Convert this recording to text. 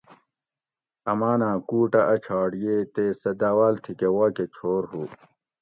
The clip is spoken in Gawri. اماۤناۤں کُوٹہ ا چھاٹ ییئے تے سہ داواۤل تھی کہ واکہ چھور ہُو